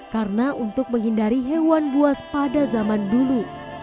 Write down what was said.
karena untuk menghindari hewan buas pada zaman dulu